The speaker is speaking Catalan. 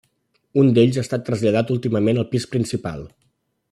Un d'ells ha estat traslladat últimament al pis principal.